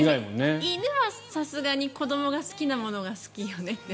犬はさすがに子どもが好きなものが好きよねと。